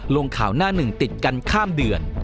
ลงข่าวหน้าหนึ่งติดกันข้ามเดือน